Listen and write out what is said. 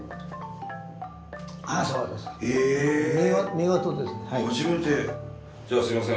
見事ですね。